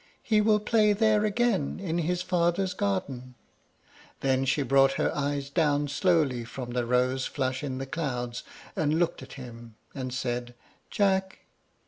"He will play there again, in his father's garden." Then she brought her eyes down slowly from the rose flush in the cloud, and looked at him and said, "Jack."